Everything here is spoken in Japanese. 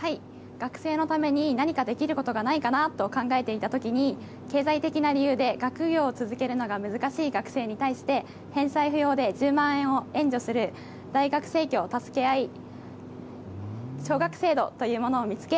学生のために何かできることがないかなと考えているときに経済的な理由で学業を続けるのが難しい学生に対して返済不要で１０万円を援助する大学生協たすけあい奨学制度というものを見つけ